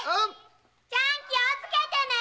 ちゃん気をつけてね！